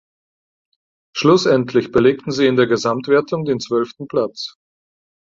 Schlussendlich belegten sie in der Gesamtwertung den zwölften Platz.